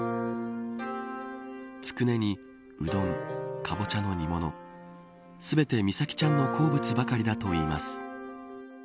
つくねにうどんかぼちゃの煮物全て美咲ちゃんの好物ばかりだといいます。